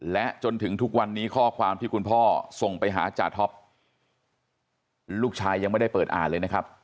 และจนถึงทุกวันนี้ข้อความที่คุณพ่อส่งไปหาจาท็อปลูกชายยังไม่ได้เปิดอ่านเลยนะครับ